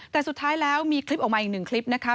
แต่สุดท้ายแล้วมีคลิปออกมาอีกหนึ่งคลิปนะคะ